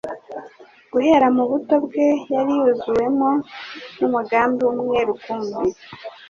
Guhera mu buto bwe yari yuzuwemo n'umugambi umwe rukumbi,